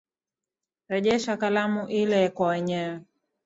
Rejesha kalamu ile kwa mwenyewe.